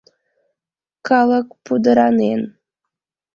Калык пудыранен.